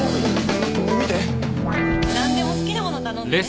なんでも好きなもの頼んでね。